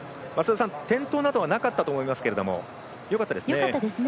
転倒などはなかったと思いますが、よかったですね。